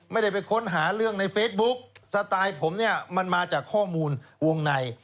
ไม่ได้ไปค้นหาเรื่องในเฟซบุ๊กสไตล์ผมเนี่ยมันมาจากข้อมูลวงใน